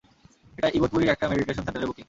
এটা ইগতপুরীর একটা মেডিটেশন সেন্টারের বুকিং।